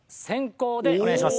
でお願いします。